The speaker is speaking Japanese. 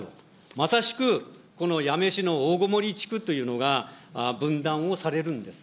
まさしく、この八女市の大籠地区というのが、分断をされるんです。